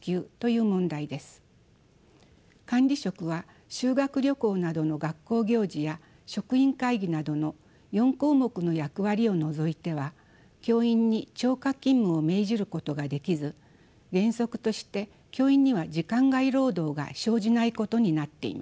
管理職は修学旅行などの学校行事や職員会議などの４項目の役割を除いては教員に超過勤務を命じることができず原則として教員には時間外労働が生じないことになっています。